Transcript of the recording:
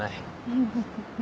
フフフ。